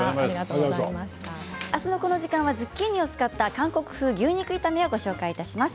あすはズッキーニを使った韓国風牛肉炒めをご紹介します。